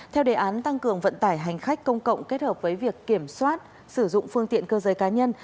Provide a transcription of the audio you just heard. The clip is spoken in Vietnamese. theo đề án tăng cường vận tải hành khách công cộng kết hợp với việc kiểm soát sử dụng phương tiện cơ giới cá nhân